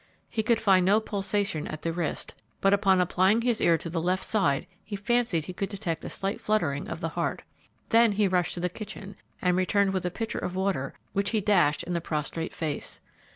He could find no pulsation at the wrist, but upon applying his ear to the left side he fancied he could detect a slight fluttering of the heart. Then he rushed to the kitchen, and returned with a pitcher of water, which he dashed in the prostrate face.